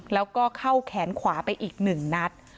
แล้วก็เข้าแขนขวาไปอีก๑นัด